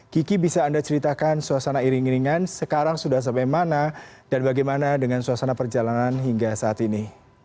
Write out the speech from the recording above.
kiki bisa anda ceritakan suasana iring iringan sekarang sudah sampai mana dan bagaimana dengan suasana perjalanan hingga saat ini